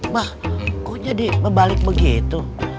bah kok jadi kebalik begitu